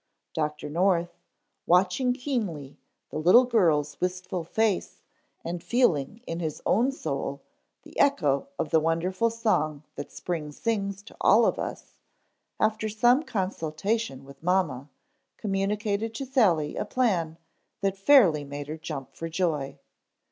Dr. North, watching keenly the little girl's wistful face and feeling in his own soul the echo of the wonderful song that spring sings to all of us, after some consultation with mamma communicated to Sally a plan that fairly made her jump for joy.